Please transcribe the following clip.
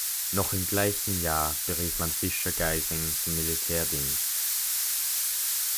Noch im gleichen Jahr berief man Fischer-Geising zum Militärdienst.